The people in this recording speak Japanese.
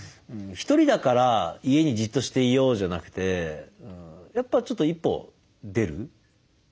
「ひとりだから家にじっとしていよう」じゃなくてやっぱちょっと一歩出る。